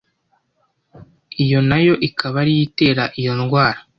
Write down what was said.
iyo nayo ikaba ariyo itera iyo ndwara.